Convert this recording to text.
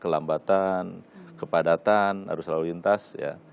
kelambatan kepadatan arus lalu lintas ya